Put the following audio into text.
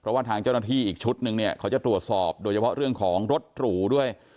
เพราะว่าทางเจ้าหน้าที่อีกชุดนึงเนี่ยเขาจะตรวจสอบโดยเฉพาะเรื่องของรถหรูด้วย